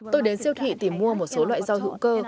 tôi đến siêu thị tìm mua một số loại rau hữu cơ